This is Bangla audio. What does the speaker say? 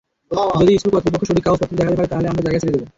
যদি স্কুল কর্তৃপক্ষ সঠিক কাগজপত্র দেখাতে পারে তাহলে আমরা জায়গা ছেড়ে দেব।